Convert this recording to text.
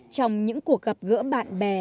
trong những cuộc gặp gỡ bạn bè